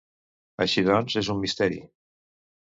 Així doncs, és un misteri.